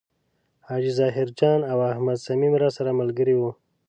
حاجي ظاهر جان او احمد صمیم راسره ملګري و.